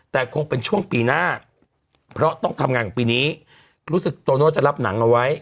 แต่คงเป็นช่วงปีหน้าเพราะต้องทำงานของปีนี้รู้สึกโตโน่จะรับหนังเอาไว้